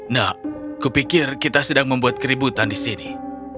tidak kupikir kita sedang membuat keributan dengan mereka